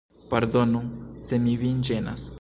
Pardonu se mi vin ĝenas.